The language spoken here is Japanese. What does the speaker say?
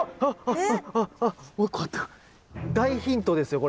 大ヒントですよ